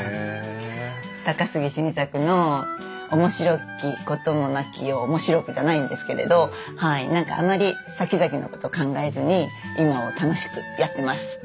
高杉晋作の「おもしろきこともなき世をおもしろく」じゃないんですけれどはい何かあんまりさきざきのこと考えずに今を楽しくやってます。